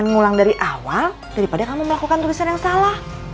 mulang dari awal daripada kamu melakukan tulisan yang salah